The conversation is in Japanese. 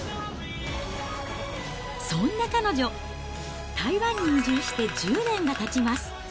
そんな彼女、台湾に移住して１０年がたちます。